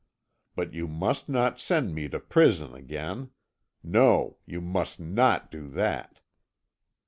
But you must not send me to prison again no, you must not do that!